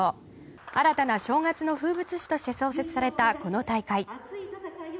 新たな正月の風物詩として創設されたこの大会。